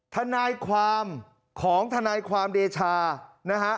ทนายความของทนายความเดชานะฮะ